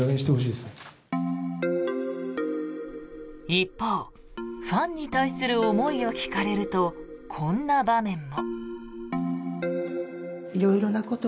一方、ファンに対する思いを聞かれるとこんな場面も。